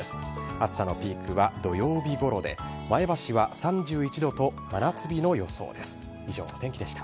暑さのピークは土曜日ごろで前橋は３１度と真夏日の予想です。